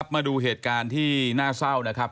มาดูเหตุการณ์ที่น่าเศร้านะครับ